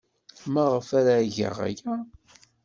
Maɣef ara geɣ aya?